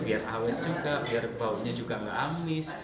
biar awet juga biar bau nya juga gak amis